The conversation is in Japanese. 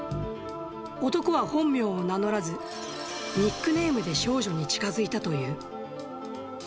男は本名を名乗らず、ニックネームで少女に近づいたという。